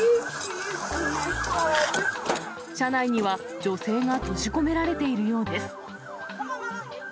車内には、女性が閉じ込められているようです。